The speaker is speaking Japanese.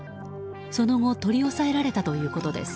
その後取り押さえられたということです。